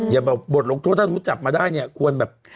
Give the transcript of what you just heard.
อย่าบอกบทหลงโทษถ้าจับมาได้เนี่ยควรแบบ